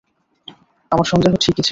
আমার সন্দেহ ঠিকই ছিল।